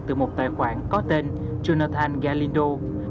từ một tài khoản có tên jonathan galindo